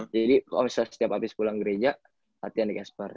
jadi kalo misalnya setiap abis pulang gereja latihannya di casper